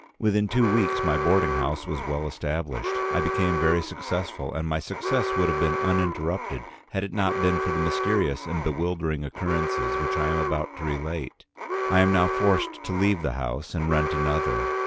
Within two weeks my boarding house was well established, I became very successful, and my success would have been uninterrupted had it not been for the mysterious and bewildering occurrences which I am about to relate. I am now forced to leave the house and rent another.